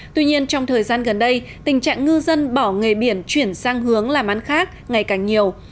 tuy nhiên trong thời gian gần đây tình trạng ngư dân bỏ nghề biển chuyển sang hướng làm ăn khác ngày càng nhiều